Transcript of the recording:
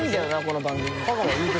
この番組。